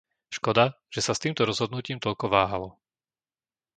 Škoda, že sa s týmto rozhodnutím toľko váhalo.